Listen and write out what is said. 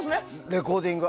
レコーディング。